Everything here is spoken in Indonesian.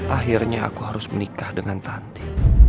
akhirnya aku harus menikah dengan tanti